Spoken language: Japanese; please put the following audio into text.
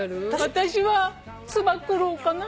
私はつば九郎かな。